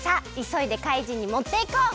そいでかいじんにもっていこう！